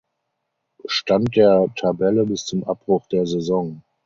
Stand der Tabelle bis zum Abbruch der Saison.